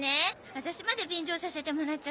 私まで便乗させてもらっちゃって。